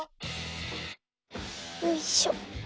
よいしょ。